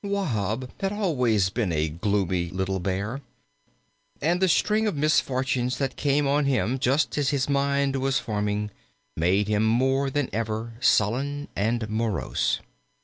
III Wahb had always been a gloomy little Bear; and the string of misfortunes that came on him just as his mind was forming made him more than ever sullen and morose.